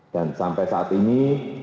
dan sampai saat ini